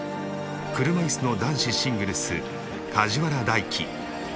車いすの男子シングルス梶原大暉。